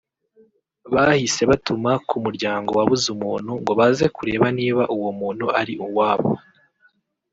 bahise batuma ku muryango wabuze umuntu ngo baze kureba niba uwo muntu ari uwabo